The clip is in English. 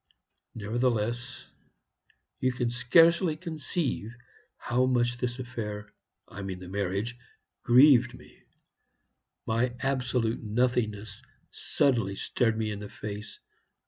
Nevertheless, you can scarcely conceive how much this affair I mean the marriage grieved me. My absolute nothingness suddenly stared me in the face.